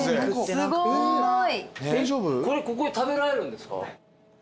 これここで食べられるんですか？